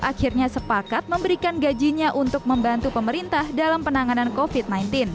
akhirnya sepakat memberikan gajinya untuk membantu pemerintah dalam penanganan covid sembilan belas